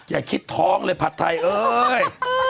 อยากคิดท้องเลยผ่านไทยเอ๊ย